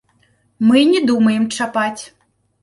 Мы і не думаем чапаць.